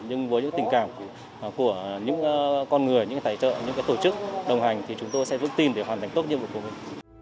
nhưng với những tình cảm của những con người những tài trợ những tổ chức đồng hành thì chúng tôi sẽ giúp team để hoàn thành tốt nhiệm vụ covid